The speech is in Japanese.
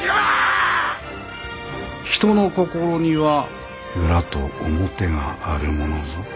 人の心には裏と表があるものぞ。